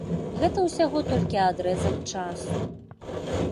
Гэта ўсяго толькі адрэзак часу.